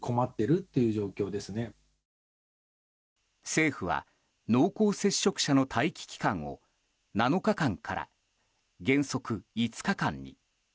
政府は濃厚接触者の待機期間を７日間から原則５日間に。